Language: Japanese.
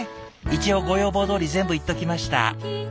一応ご要望どおり全部言っときました！